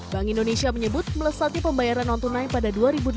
bank indonesia menyebut melesatnya pembayaran non tunai pada dua ribu delapan belas